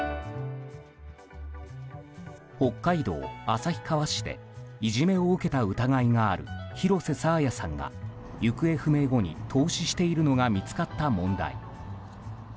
北海道旭川市でいじめを受けた疑いがある広瀬爽彩さんが行方不明後に凍死しているのが見つかった問題。